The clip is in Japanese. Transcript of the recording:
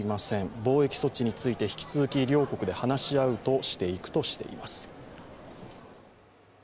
防疫措置について、引き続き両国で話し合うとしていくとしています。